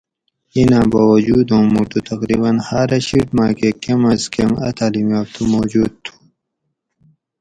ایں نا باوجود اوں موٹو تقریباً ہاۤرہ شِیٹ ماکہ کم از کم اۤ تعلیم یافتہ موجود تھو